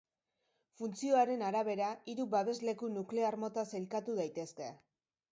Funtzioaren arabera hiru babesleku nuklear mota sailkatu daitezke.